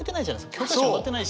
教科書に載ってないし。